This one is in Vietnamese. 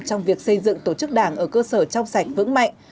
trong việc xây dựng tổ chức đảng ở cơ sở trong sạch vững mạnh